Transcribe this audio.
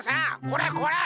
これこれ！